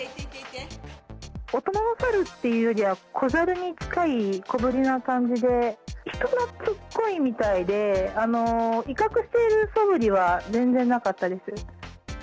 大人の猿っていうよりは、子猿に近い、小ぶりな感じで、人懐っこいみたいで、威嚇しているそぶりは全然なかったです。